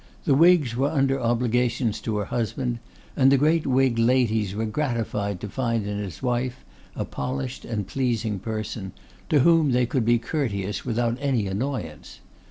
The Whigs were under obligations to her husband, and the great Whig ladies were gratified to find in his wife a polished and pleasing person, to whom they could be courteous without any annoyance.